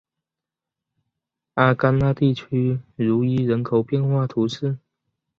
阿戈讷地区茹伊人口变化图示